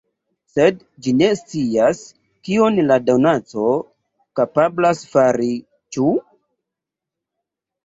Sed ĝi ne scias, kion la donaco kapablas fari, ĉu?